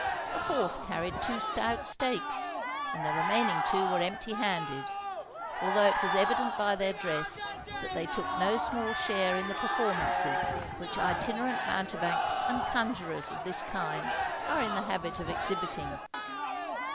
A fourth carried two stout stakes; and the remaining two were empty handed, although it was evident by their dress that they took no small share in the performances which itinerant mountebanks and conjurors of this kind are in the habit of exhibiting.